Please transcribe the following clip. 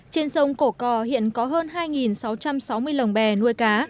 trên sông cổ cò hiện có hơn hai sáu trăm sáu mươi lồng bè nuôi cá